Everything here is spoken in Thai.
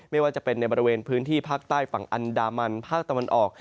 ไม่ว่าจะเป็นในบริเวณพื้นที่ภาคใต้ฝั่งอันดามันภาคตะวันออก